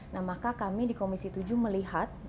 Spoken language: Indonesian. nah maka kami di komisi tujuh melihat